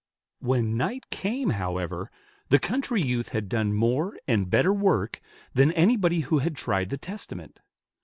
When night came, however, the country youth had done more and better work, than anybody who had tried the Testament.